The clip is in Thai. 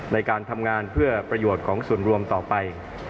ในการทำงานเพื่อประโยชน์ของส่วนรวมต่อไป